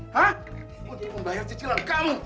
hah untuk membayar cicilan kamu